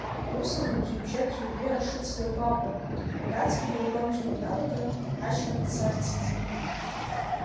Усҟан Аӡҩыбжьа ӡәырҩы ашыӡ иаргәаҟуан, Кәадацгьы даргәамҵуа ианалага, ашьха дцарц иӡбит.